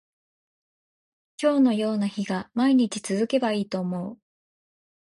今日のような日が毎日続けばいいと思う